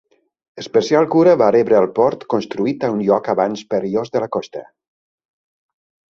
Especial cura va rebre el port construït a un lloc abans perillós de la costa.